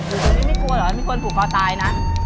ตัวนี้ไม่กลัวเหรอมีคนผูกคอตายนะ